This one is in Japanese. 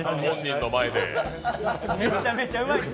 めちゃめちゃうまいです。